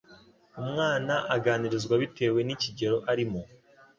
umwana aganirizwa bitewe n'ikigero arimo